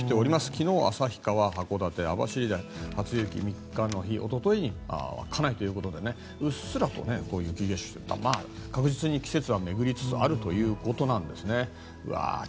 昨日、旭川、函館、網走で初雪３日の日一昨日に稚内ということでうっすらと雪化粧というか確実に季節は巡りつつあるということですね。